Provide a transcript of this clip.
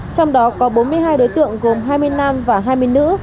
trong đó có bốn mươi hai đối tượng gồm hai mươi nam và hai mươi nữ